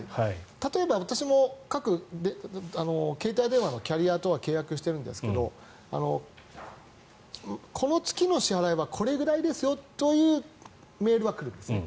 例えば、私も携帯電話のキャリアとは契約しているんですけどこの月の支払いはこれぐらいですよというメールは来るんですね。